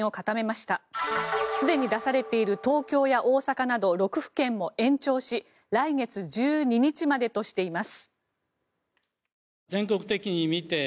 すでに出されている東京や大阪など６府県も延長し来月１２日までとしています。